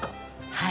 はい。